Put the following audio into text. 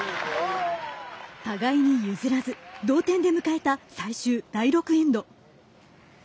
互いに譲らず同点で迎えた最終、第６エンド。